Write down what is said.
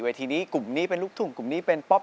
ทีนี้กลุ่มนี้เป็นลูกทุ่งกลุ่มนี้เป็นป๊อป